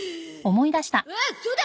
あっそうだ！